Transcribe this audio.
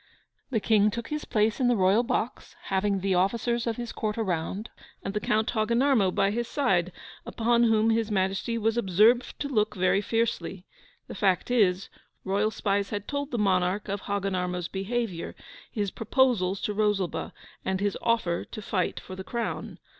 The King took his place in the royal box, having the officers of his Court around and the Count Hogginarmo by his side, upon whom His Majesty was observed to look very fiercely; the fact is, royal spies had told the monarch of Hogginarmo's behaviour, his proposals to Rosalba, and his offer to fight for the crown.